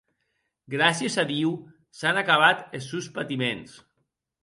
Gràcies a Diu, s’an acabat es sòns patiments.